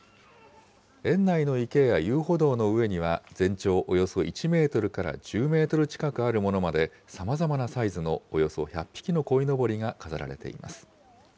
園内の池や遊歩道の上には、全長およそ１メートルから１０メートル近くあるものまで、さまざまなサイズのおよそ１００匹のこいのぼりが飾られています。